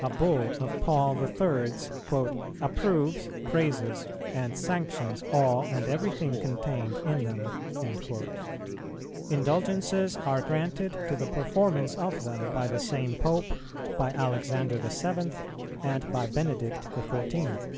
A Bull of Paul the Third's "approves, praises, and sanctions all and everything contained in them;" indulgences are granted to the performance of them by the same Pope, by Alexander the Seventh, and by Benedict the Fourteenth.